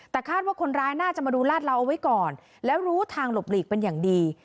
แต่คาดว่าคนร้ายน่าจะมาดูลาดเราเอาไว้ก่อนแล้วรู้ทางหลบหลีกเป็นอย่างดี